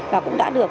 và cũng đã được